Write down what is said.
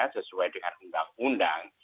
sesuai dengan undang undang